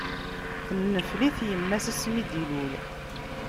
Tenfel-it yimma-s, asmi d-illul.